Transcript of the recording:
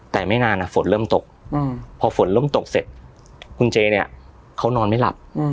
แต่ไม่นานฝนเริ่มตกพอฝนเริ่มตกเสร็จคุณเจเนี่ยเขานอนไม่หลับ